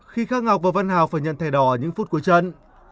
khi khắc ngọc và văn hào phải nhận thẻ đỏ ở những phút cuối trận